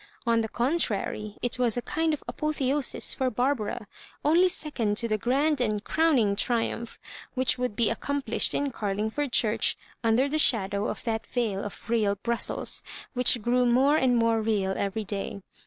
On the contrary, it was a kind of apotheosis for Barbara, only second to the grand and crowning triumph which would be accomplished in Carlingford church under the shadow of that veil of rea^ Brussels, which grew more and more real every day.